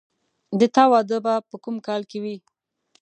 د تا واده به په کوم کال کې وي